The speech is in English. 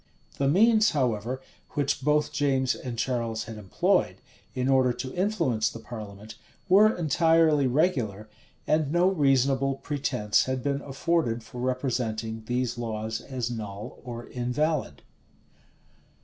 The means, however, which both James and Charles had employed, in order to influence the parliament, were entirely regular, and no reasonable pretence had been afforded for representing these laws as null or invalid.